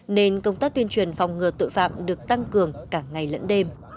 nên công tác tuyên truyền phòng ngừa tội phạm được tăng cường cả ngày lẫn đêm